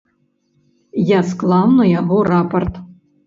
Я склаў на яго рапарт.